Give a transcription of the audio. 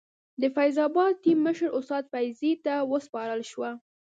د فیض اباد ټیم مشر استاد فیضي ته وسپارل شوه.